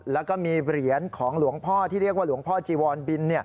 แล้วก็มีเหรียญของหลวงพ่อที่เรียกว่าหลวงพ่อจีวรบิน